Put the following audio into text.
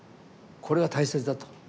これは大切だと。